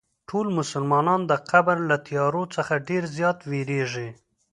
ټول مسلمانان د قبر له تیارو څخه ډېر زیات وېرېږي.